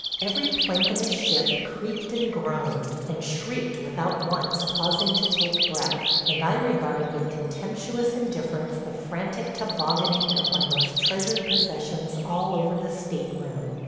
Every plank in the ship creaked and groaned, and shrieked without once pausing to take breath, and I regarded with contemptuous indifference the frantic tobogganing of my most treasured possessions all over the stateroom.